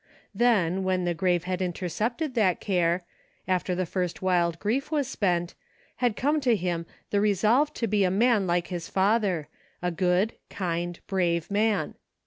Then, when the grave had intercepted that care, after the first wild grief was spent, had come to him the resolve to be a man like his father ; a good, kind, brave man.